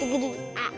あっ。